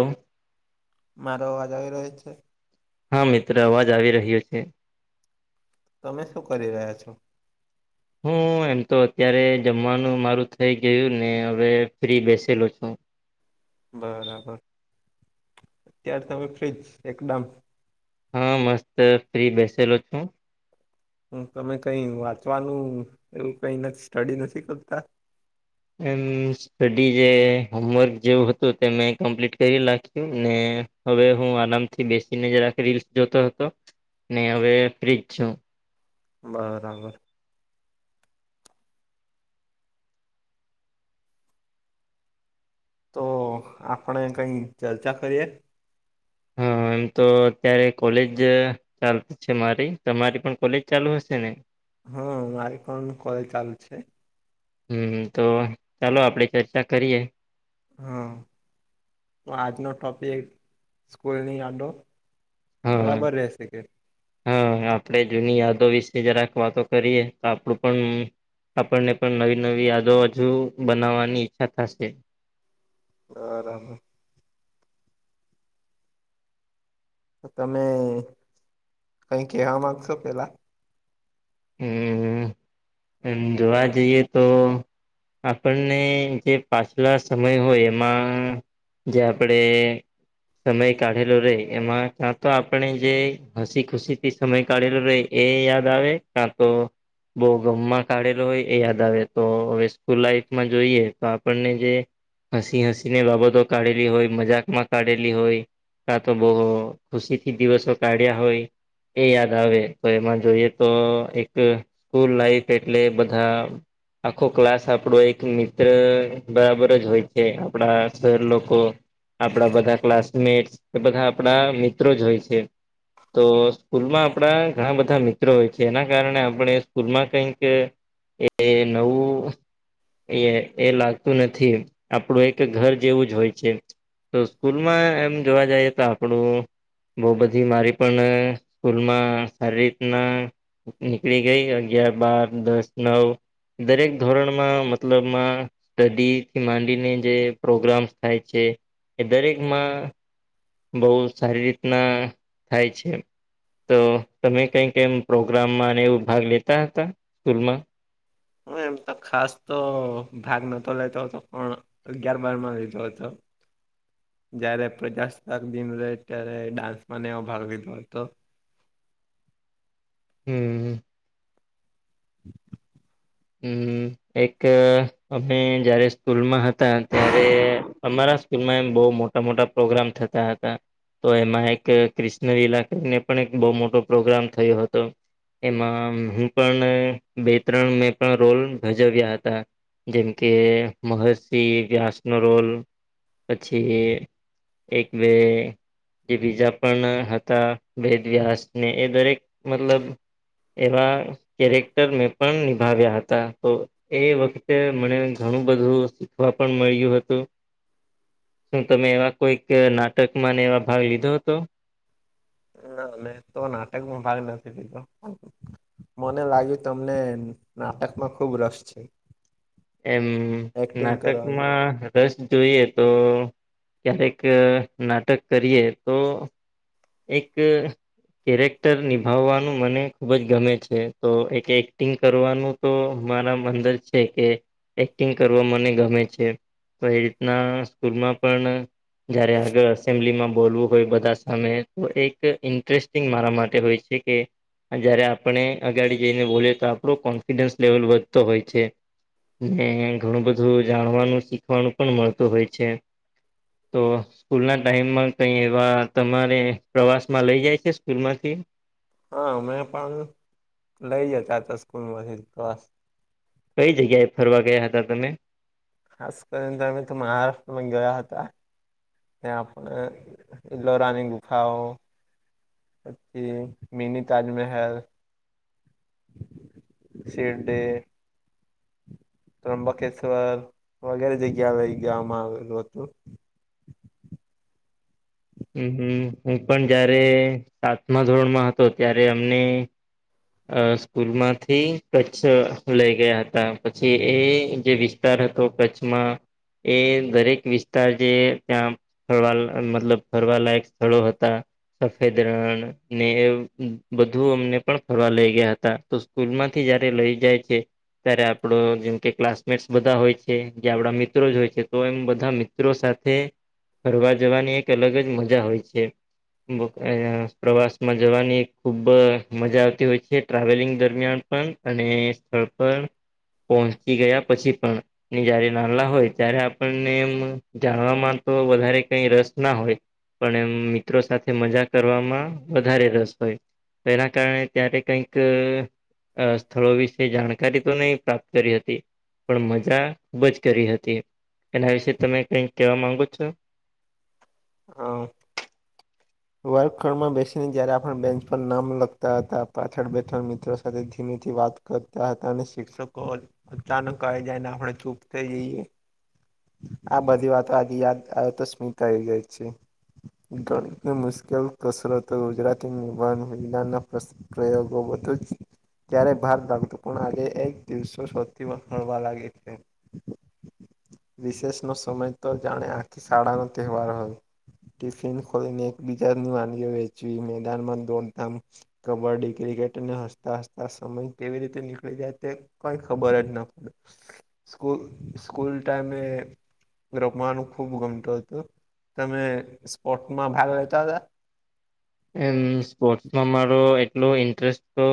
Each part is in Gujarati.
હમ. મારોવાજા રહ્યો છે. હા મિત્ર અવાજ આવી રહ્યો છે. તમે શું કરી રહ્યા છો. હું એમ તો અત્યારે જમવાનું મારું થઇ ગયું ને હવે ફ્રી બેસેલો છું. બરાબર અ ત્યાર તમે ફ્ર્રીજ એકદમ. હા મસ્ત ફ્રી બેસેલો છું. હું તમે કઈ વાંચવાનું એવું કઈ નથી સ્ટડી નથી કરતા. એમ સ્ટડી જે હોમવર્ક જેવું હતું તે મેં કમ્પ્લીટ કરી નાખ્યું ને. હવે હું આરામથી બેસી નજરખી રીલસ જોતો હતો ને હવે ફ્રીજ છું. બરાબર. તો આપણે કઈ ચર્ચા કરીએ. હા એમ તો અત્યારે કોલેજ ચાલત. છે મારી તમારી પણ કોલેજ ચાલુ હશે ને. હમ આ કોલે ચાલુ છે. હમ તો ચાલો આપડે ચર્ચા કરીએ. હા તો આજનો ટોપિક સ્કૂલની આડો. હા બરાબર રહેશે કે. હા આપણેે જૂની યાદો વિશે જરાક વાતો કરીએ તો આપડું પણ. આપણને પણ નવી નવી યાદો હજુ બનાવવાની ઈચ્છા થશે. બરામ. તો તમે કઈ કવા માંગશો પેલા. હમ એમ જોવા જઈએ તો. આપણને જે પાછલા સમય હોય એમાં. જે આપડે. સમય કાઢેલો રહેે એમાં ક્યાં તો આપણે જે હસી ખુશી થી. સમય કાઢેલો રહે એ યાદ આવે કા તો. બહ ગમમાં કાઢેલો હોય યાદ આવે તો હવે સ્કૂલ લાઈફમાં જોઈએ તો આપણને જે. હસી હસી ની બાબતો કાઢેલી હોય મજાકમાં કાઢેલી હોય. કા તો બહુ ખુશી થી દિવસો કાઢ્યા હોય. એ યાદ આવે તો એમાં જોઈએ તો. એક સ્કૂલ લાઈફ એટલે બધા. આખો ક્લાસ આપણો એક મિત્ર બરાબર જ હોય છે આપડા શહેર લોકો. આપણા બધા ક્લાસમેટ કે બધા આપણા મિત્રો જ હોય છે. તો સ્કૂલમાં આપણા ઘણા બધા મિત્રો હોય છે એના. કારણે આપણે સ્કૂલમાં કઈક એ નવું. એ એ લાગતું નથી આપડું એક ઘર જેવું જ હોય છે. તો સ્કૂલ માં એમ જોવા જઈએ તો આપણું. બઉ બધી મારી પણ સ્કૂલમાં સારી રીતના. નીકળી ગઈ અગિયાર બાર દસ નવ. દરેક ધોરણમાં મતલબમાં. સ્ટડીથી માંડીને જે પ્રોગ્રામ્સ થાય છે એ દરેકમાં. બહુ સારી રીતના થાય છે. તો તમે કઈક એમ પ્રોગ્રામમાં અને એવું ભાગ લેતા હતા સ્કૂલમાં. હ એમ તો ખાસ તો ભાગ નતો લેતો હોતો પણ. અગિયાર બાર માં લીધો હતો. જયારે પ્રજાસતાક દિન રહે ત્યારે ડાન્સ માંનેવો ભાગ લીધો હતો. હમ્મ [inaudible] હમ એક અમે જારે સ્કૂલમાં હતા ત્યારે અમારા. એમ બહુ મોટા મોટા પ્રોગ્રામ થતા હતા. તો એમાં એક ક્રિશ્ન ઈલા કરીને પણ એક બહુ મોટો પ્રોગ્રામ થયો હતો. એમાં હું પણ બે ત્રણ મે. રોલ ભજવ્યા હતા જેમ કે મહર્ષિ વ્યાસ નો રોલ. પછી એક બે. જે બીજા પણ હતા ભેદ વ્યાસને એ દરેક મતલબ. એવા કેરેક્ટર મેં પણ નિભાવ્યા હતા તો. એ વખતે મને ઘણું બધું શીખવા પણ મળ્યું હતું. શું તમે એવા કોઈક નાટકમાંને એવા ભાગ લીધો હતો. ના મે તો નાટકમાં ભાગ નથી લીધો. મને લાગ્યું તમને નાટકમાં ખુબ રસ છે. એમ એક્ટિંગ કરવાનું નાટકમાં. રસ જોઈએ તો ક્યારેક નાટક કરીએ તો. એક. કેરેક્ટર નિભાવવાનું મને ખૂબ જ ગમે છે તો એક એક્ટિંગ કરવાનું. તો મારા અંદર છે કે એક્ટિંગ કરવા મને ગમે છે. તો એ રીતના સ્કૂલમાં પણ. જયારે આગળ અસેમ્બલી માં બોલવું હોય બધા સામે. તો એક ઇન્ટરેસ્ટિંગ મારા માટે હોય છે કે. જયારે આપણે અગાડી જઈને બોલીએ તો આપણો કોન્ફિડન્સ લેવલ વધતો હોય છે. ને ઘણું બધું જાણવાનું શીખવાનું પણ મળતું હોય છે. તો સ્કૂલ ના ટાઈમમાં કઈ એવા તમારે. પ્રવાસ માં લઇ જાય છે સ્કૂલ માંથી. હા મેમે પણ લઈ જતા હતા સ્કૂલમાંથી ક્સ. કઈ જગ્યાએ ફરવા ગયા હતા તમે. ખાસ કરીને તો અમે તો મહારાષ્ટ્રમાં ગયા હતા. એ આપને લરાની ગુંંફાઓ. પછી મિની તાજમહેલ. શિરડે. ત્ર્યુંબકેશ્વર વગેરે જગ્યા આવે ગ આવેલું હતું. હમ હું પણ જયારે સાતમા ધોરણમાં હતો ત્યારે અમને અ સ્કૂલ માંથી કચ્છ લઈ ગયા હતા પછી એ જે વિસ્તાર હતો કચ્છમાં એ દરેક વિસ્તાર જે ત્યાં ફરવા મતલબ ફરવાલાયક સ્થળો હતા. સફેદ રણ ને બધું અમને પણ ફરવા લઈ ગયા હતા તો સ્કૂલ માંથી જયારે લઈ જાય છે. ત્યારે આપડો જેમ કે ક્લાસમેટસ બધા હોય છે જે આપડા મિત્રો જ હોય છે તો એમ બધા મ્ર મિત્રો સાથે ફરવા જવાની એક અલગ જ મજા હોય છે. પ્રવાસ માં જવાની ખુબ મજા તે હોય છે ટ્રાવેલિંગ દરમિયાન પણ અને સ્થળ પર પહોંચી ગયા પછી પણ ની જયારે નાના હોય ત્યારે આપણને એ જાણવાવામાં તો વધારે કઈ રસ ના હોય. પણ એમ મિત્રો સાથે મજા કરવામાં વધારે રસ હોય એના કારણે ત્યારે કઈક સ્થળો વિશે જાણકારી તો નહી પ્રાપ્ત કરી હતી. પણ મજા ખુબ જ કરી હતી એના વિશે તમે કઈક કેવા માંગો છો? હા વર્કળમાં બેસીને જયારે આપ બેન્ચ પર નામ લખતા હતા પાછળ બેઠા મિત્રો સાથે ધીમેથી વાત કરતા હતા અને શિક્ષકો અચાનક આવી જાયને આપણે ચૂપ થ જઈએ. આ બધી વાતો આજ યાદ આવે તો સ્મતા આવી જાય છે. ઘણી મુશ્કેલ કસરતો ગુજરાતી નિમાણ મહિલાના પ્ પ્રયોગો બધું જ ત્યારે ભાર લાગતું પણ આજે એક દિવસો સૌથી હળવા લાગે છે. વિશેષ નો સમય તો જાણે આખી શાળા નો તહેવાર હોય. ટિફિન ખોલીને એક બીજાની વાનગીઓ વેચવી મેદાનમાં દોડધામ કબડ્ડી ક્રિકેટને હસતા હસતા સમય કેવી રીતે નીકળી જાય તે કઈ ખબર જ ના પડે સ્કૂલ ટાઈમે રમવાનું ખુબ ગમતું હતું. તમે સ્પોર્ટમાં ભાગ લેતા હતા. એમ સ્પોર્ટ્સમાં મારો એટલો ઇન્ટરેસ્ટ તો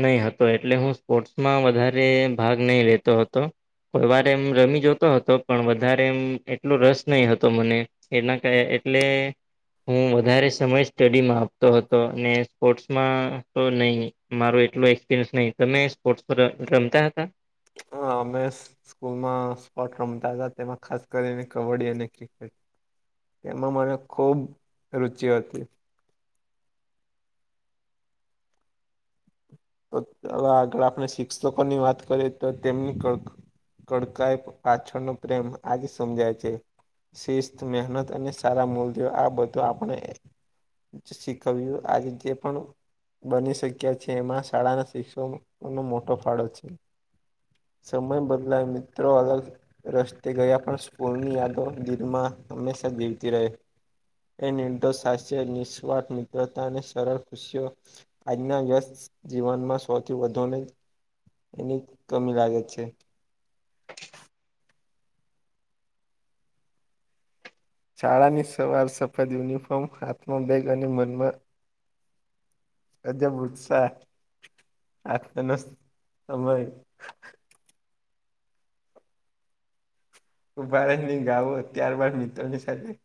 નહી હતો એટલે હું સ્પોર્ટ્સમાં વધારે ભાગ નહી લેતો હતો. કોઈ વાર એમ રમી જતો હતો પણ વધારે એમ એટલો રસ નહ હતો મને એના એટલે હું વધારે સમય સ્ટડીમાં આપતો હતો સ્પોર્ટ્સમાં તો નહી મારો એટલો એક્સપિરયન્સ નહી તમે સ્પોર્ટ્સ રમતા હતા. હામેશ સ્કૂલમાં સ્પોર્ટ રમતા હતા તેમાં ખાસ કરીને કબડ્ડી અને ક્રિકેટ એમાં મને ખુબ રુચિ હતી. તો હવે આગળ આપણે શિક્ષકોની વાત કરીએ તો તેમની કડકાઈ પાછળનો પ્રેમ આજે સમજાય છે. શિસ્ત મહેનત અને સારા મૂલ્યો આ બધું આપણે શીખવ્યું આજે જે પણ બની શક્યા છે એમાં શાળા નાને શિક્ષો મોટો ફાળ છે. સમય બદલાય મિત્રો અગ રસ્તે ગયા પણ સ્કૂળની યાદો દિલમાં હંમેશા જીવતી રહે. એ નિર્દો સાાસ્ય નિસ્વાર્ મિત્રતા અને સરળ ખુશીઓ અના દિવાસ જીવનમાં સૌથી વધુને એની કમી લાગે છે. શાળાની સવાર સફાદ યુનિફોર્મ હાથમાં બેગ અને મનમાં અજ બુસા આ ન સમય કભારની ગાવો ત્યારબાદ મિત્રોની સાથે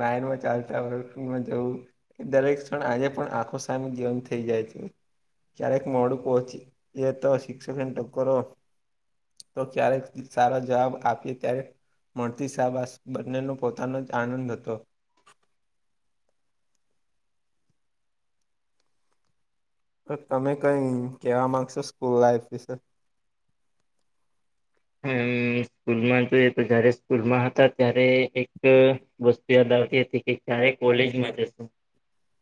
લાઈનમાં ચાલતા હોય ફ્રીમાં જવું દરેક ક્ષણ આજે પણ આંખો સામે ગન થઇ જાય છે. ક્યારેક મોડું પહોંચી એ તો શિક્ષકને ટકરો તો ક્યારેક સારો જવાબ આપી ત્યારે મળતી શાહબાસ બંનેનો પોતાનો જ આનંદ હતો તમે કઈ કેવા મામાંગશો સ્કૂલ લાઈફ વિશે મ સ્કૂલમાં જોઈએ તો જયારે સ્કૂલમાં હતા ત્યારે એક વસ્તુ યાદ આવતી હતી કે ક્યારે કોલેજમાં જશે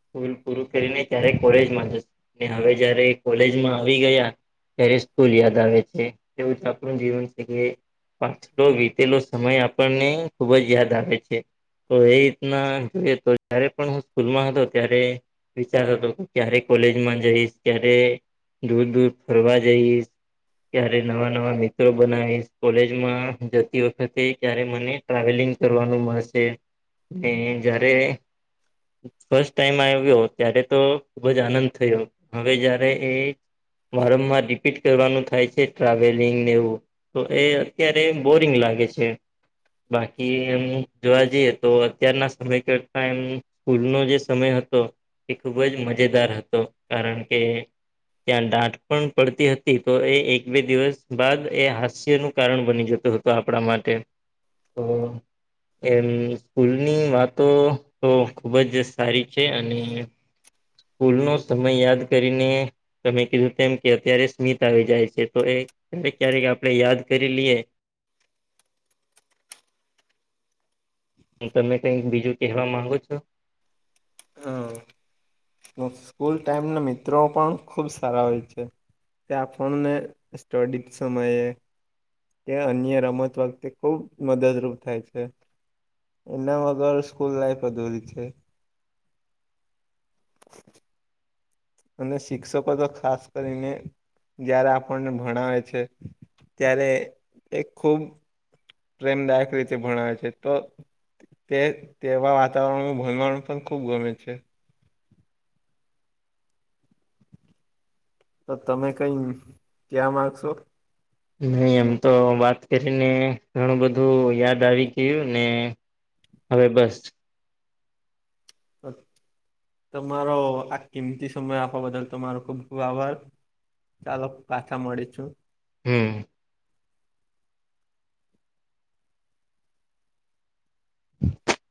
સ્કૂલ પૂરું કરીને ત્યારે કોલેજમાં જશે હવે જયારે કોલેજમાં આવી ગયા ત્યારે સ્કૂલ યાદ આવે છે એવું જ આપણું જીવન પાછલો વીતેલો સમય આપણને ખુબ જ યાદ આવે છે તો એ રીતના જોઈએ તો જય્યારે પણ હું સ્કૂલમાં હતો ત્યારે વિચાર હતો કે ક્યારે કોલેજમાં જઈશ ક્યારે દૂર દૂર ફરવા જઈ ત્યારે નવા નવા મિત્રો બનાવી કોલેજમાં જતી વખતે ત્યારે મને ટ્રાવેલિંગ કરવાનું મળશે ને જયારે ફસ્ટ ટાઈમ આવ્યો ત્યારે તો ખુબ જ આનંદ થયો હવે જય્યારે એ વારંવાર રિપીટ કરવાનું થાય છે ટ્રાવેલિંગને એવું તો એ અત્યારે બોરિંગ લાગે છે બાકી એમ જોવા જઈએ તો અત્યારના સમય કરતા એમ સ્કૂલનો જે સમય હતો એ ખૂબ જ મજેદાર હતો કારણ કે ત્યાં દાઠ પણ પડતી હતી તો એ એક બે દિવસ બાદ એ ાસ્યનુંું કારણ બની જતું હતો આપણા માટે તો એમ ફૂલની વાતો તો ખૂબ જ સારી છે અને સ્કૂલ નો સમય યાદ કરીને તમે કીધું તેમ કે અત્યારે સ્મિત આવી જાય છે તો એ ક્યારે આપણે યાદ કરી લએ હું તમે કઈક બીજું કહેવા માંગુ છો હમ સ્કૂલ ટાઈમ ના મિત્રો પણ ખુબ સારા હોય છે તે ફણ ને સ્ટડી સમયે એ અન્ય રમત વખતે ખુબ મદદરૂપ થાય છે એના વગર સ્કૂલ લાઈફ અધોરી છે અને શિક્ષકો તો ખાસ કરીને જયારે આપણને ભણાવે છે ત્યારે એ ખૂબ પ્રેમદાયક રીતે ભણવે છે તો તે તેવા વાતાવરણ ભંવા પણ ખુબ ગમે છે તો તમે કઈ ક્યાં માગશો નહી એમ તો વાત કરીને ઘણું બધું યાદ આવી ગયું ને હવે બસ તમારો આ કિંમતી સમય આપવા બદલ તમારો ખુબ ખુબ આભાર ચાલો પાછા મળી છું હમ [inaudible]